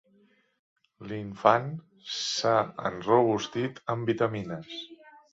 L'infant s'ha enrobustit amb vitamines.